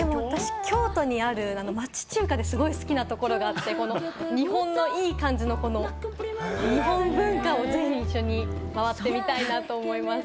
京都にある町中華ですごい好きなところがあって、日本のいい感じの日本文化をぜひ一緒に回ってみたいなと思います。